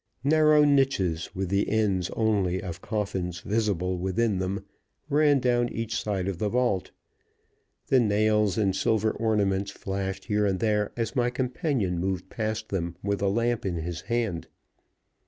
Narrow niches, with the ends only of coffins visible within them, ran down each side of the vault. The nails and silver ornaments flashed here and there as my companion moved past them with a lamp in his hand.